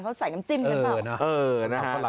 เขาใส่น้ำจิ้มกันหรือเปล่า